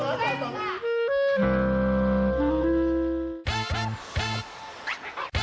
สวัสดีครับมาเจอกับแฟแล้วนะครับ